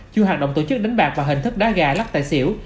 chuyên hành động tổ chức đánh bạc và hình thức đá gà lắc tại xỉu